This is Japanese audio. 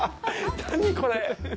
何、これ！